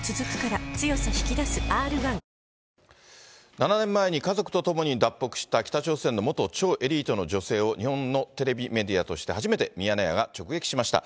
７年前に家族と共に脱北した北朝鮮の元超エリートの女性を、日本のテレビメディアとして初めて、ミヤネ屋が直撃しました。